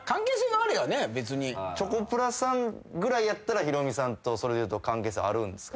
チョコプラさんぐらいやったらヒロミさんとそれでいうと関係性あるんですか？